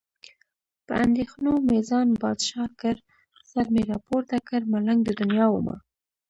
په اندېښنو مې ځان بادشاه کړ. سر مې راپورته کړ، ملنګ د دنیا ومه.